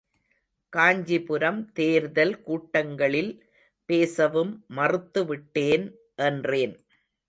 காஞ்சிபுரம் தேர்தல் கூட்டங்களில் பேசவும் மறுத்துவிட்டேன், என்றேன்.